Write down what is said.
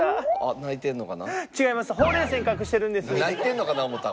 泣いてんのかな思たわ。